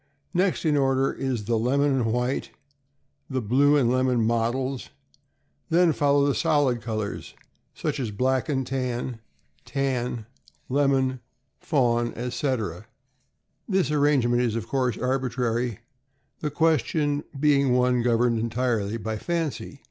Next in order is the lemon and white, the blue and lemon mottles; then fol low the solid colors, such as black and tan, tan, lemon, THE BEAGLE HOUND. 289 fawn, etc. This arrangement is of course arbitrary, the question being one governed entirely by fancy.